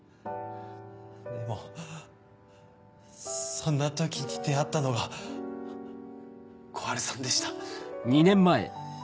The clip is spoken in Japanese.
でもそんな時に出会ったのが小春さんでした。